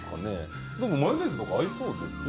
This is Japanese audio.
マヨネーズとも合いそうですよね。